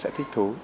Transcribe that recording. sẽ thích thú